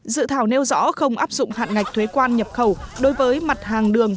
dự thảo nêu rõ không áp dụng hạn ngạch thuế quan nhập khẩu đối với mặt hàng đường